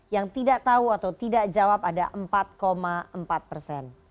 yang tidak tahu atau tidak jawab ada empat empat persen